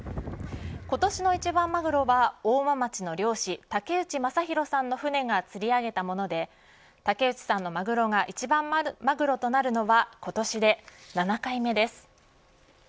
今年の一番マグロは大間町の漁師竹内正弘さんの船が釣り上げたもので竹内さんのマグロが一番マグロとなるのは今年で７回目です。